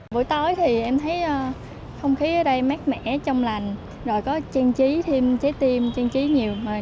buổi tối thì em thấy không khí ở đây mát mẻ trong lành rồi có trang trí thêm trái tim trang trí nhiều